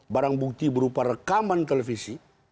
barang bukti berupa rekaman televisi